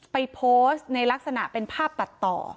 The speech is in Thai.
ไปโพสต์ในลักษณะเป็นภาพตัดต่อ